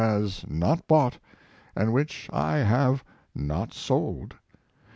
lias not bought, and which I have not sold.